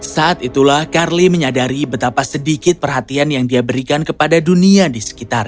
saat itulah carly menyadari betapa sedikit perhatian yang dia berikan kepada dunia di sekitar